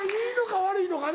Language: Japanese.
悪いのかな？